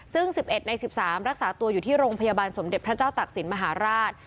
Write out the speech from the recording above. ซึ่ง๑๑ใน๑๓รักษาตัวอยู่ที่โรงพยาบาลสมเด็จพระเจ้าตักศิลป์มหาราช